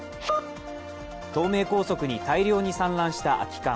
東名高速に大量に散乱した空き缶。